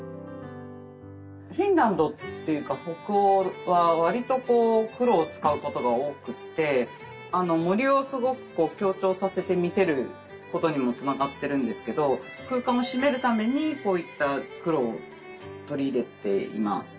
フィンランドっていうか森をすごく強調させて見せることにもつながってるんですけど空間を締めるためにこういった黒を取り入れています。